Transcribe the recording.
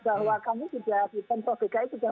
bahwa kami sudah di pemprov dki sudah